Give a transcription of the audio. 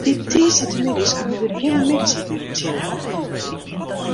Dy tiisdeitemiddeis koe der gjin middeisiten optsjinne wurde.